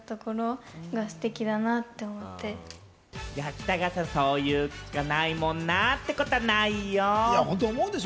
北川さん、そう言うしかないもんなってことはないよ？